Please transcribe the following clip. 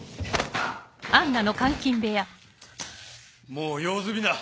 もう用済みだ！